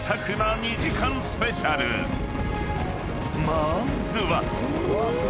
［まずは］